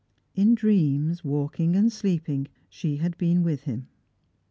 In dreams, walking and eleeping, she had been with him.